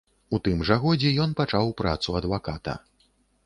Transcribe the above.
У тым жа годзе ён пачаў працу адваката.